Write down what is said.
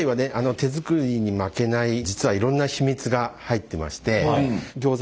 手作りに負けない実はいろんな秘密が入ってましてギョーザ